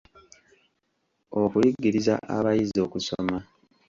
Okuyigiriza abayizi okusoma.